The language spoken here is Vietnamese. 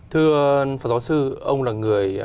thưa pháp giáo sư ông là người